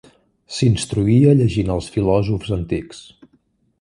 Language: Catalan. S'instruïa llegint els filòsofs antics.